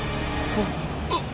あっあっ。